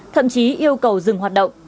thậm chí yêu cầu dừng hoạt động